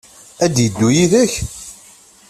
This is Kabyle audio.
Ad d-yeddu yid-k?